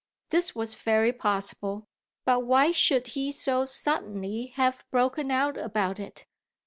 This was very possible, but why should he so suddenly have broken out about it?